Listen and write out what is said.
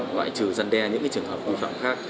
loại trừ dân đe những trường hợp vi phạm khác